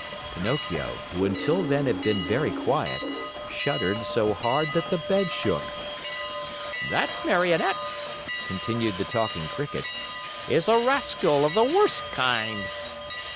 Pinocchio, who until then had been very quiet, shuddered so hard that the bed shook. "That Marionette," continued the Talking Cricket, "is a rascal of the worst kind."